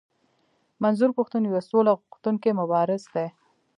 منظور پښتون يو سوله غوښتونکی مبارز دی.